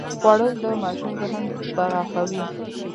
خوړل د ماشوم ذهن پراخوي